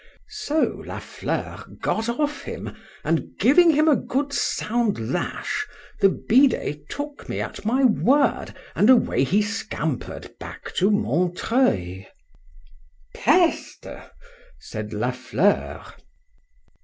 So La Fleur got off him, and giving him a good sound lash, the bidet took me at my word, and away he scampered back to Montreuil.—Peste! said La Fleur.